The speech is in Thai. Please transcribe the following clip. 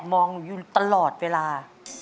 อาบมองอยู่ตลอดเวลา